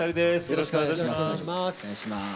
よろしくお願いします。